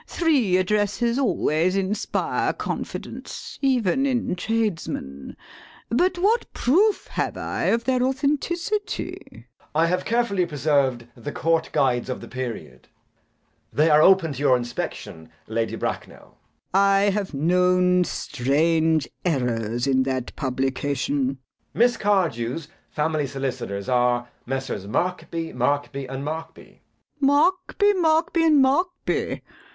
Three addresses always inspire confidence, even in tradesmen. But what proof have I of their authenticity? JACK. I have carefully preserved the Court Guides of the period. They are open to your inspection, Lady Bracknell. LADY BRACKNELL. [Grimly.] I have known strange errors in that publication. JACK. Miss Cardew's family solicitors are Messrs. Markby, Markby, and Markby. LADY BRACKNELL. Markby, Markby, and Markby?